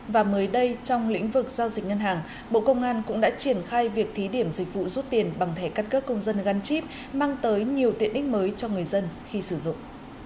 và mới đây trong lĩnh vực giao dịch ngân hàng bộ công an cũng đã triển khai việc thí điểm dịch vụ rút tiền bằng thẻ căn cước công dân gắn chip mang tới nhiều tiện ích mới cho người dân khi sử dụng